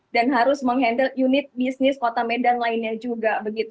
dan harus mengendal unit bisnis kota medan lainnya juga